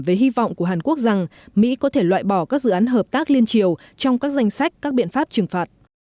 về hy vọng của hàn quốc rằng mỹ có thể loại bỏ các dự án hợp tác liên triều trong các danh sách các biện pháp trừng phạt